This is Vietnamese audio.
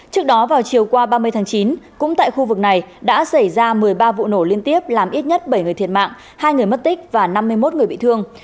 trước đó vào chiều qua ba mươi tháng chín cũng tại khu vực này đã xảy ra một mươi ba vụ nổ liên tiếp làm ít nhất bảy người thiệt mạng hai người mất tích và năm mươi một người bị thương